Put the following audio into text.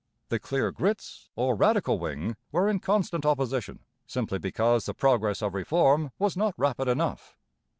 The Clear Grits, or Radical wing, were in constant opposition, simply because the progress of Reform was not rapid enough.